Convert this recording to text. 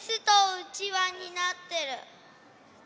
うちわになってる。